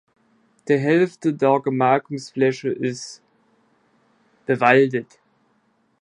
Die Hälfte der Gemarkungsfläche ist bewaldet.